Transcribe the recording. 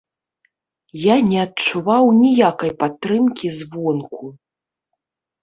Я не адчуваў ніякай падтрымкі звонку.